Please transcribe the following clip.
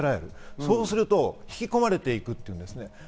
そうすると引き込まれていくっていうんです。